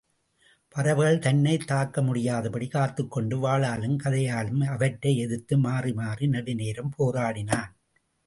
பறவைகள் தன்னைத் தாக்க முடியாதபடி காத்துக்கொண்டு, வாளாலும், கதையாலும் அவற்றை எதிர்த்து மாறி மாறி நெடுநேரம் போராடினான்.